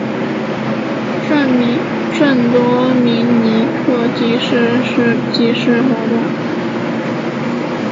圣多明尼克市集是如圣诞市集或啤酒节一样的欧洲大型文化集市活动。